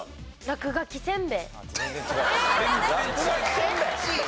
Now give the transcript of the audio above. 落書きせんべい？